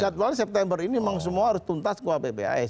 jadwalnya september ini memang semua harus tuntas kuap pps